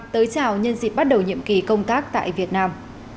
tới chào nhân dịp bắt đầu nhiệm kỳ công tác tại việt nam